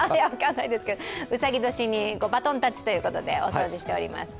うさぎ年にバトンタッチということでお掃除しております。